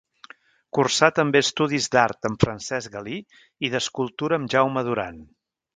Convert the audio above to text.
Cursà també estudis d'art amb Francesc Galí i d'escultura amb Jaume Duran.